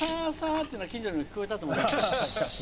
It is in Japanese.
っていうのは近所にも聞こえたと思うけどね。